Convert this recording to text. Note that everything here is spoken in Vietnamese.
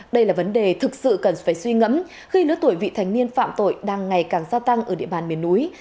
đây là vấn đề thực sự cần phải suy ngẫm khi lứa tuổi vị thành niên phạm tội đang ngày càng gia tăng ở địa bàn miền núi